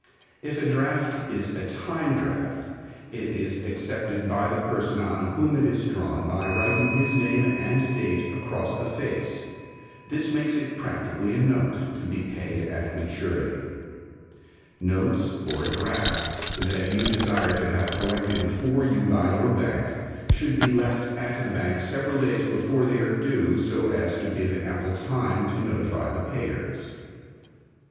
If a draft is a time draft it is accepted by the person on whom it is drawn by writing his name and date across the face. This makes it practically a note, to be paid at maturity. Notes or drafts that you desire to have collected for you by your bank should be left at the bank several days before they are due, so as to give ample time to notify the payers.